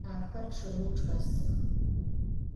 Axer ççıgım çç'esıx.